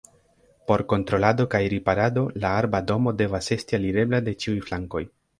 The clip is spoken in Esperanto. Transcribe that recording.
Por kontrolado kaj riparado la arba domo devas esti alirebla de ĉiuj flankoj.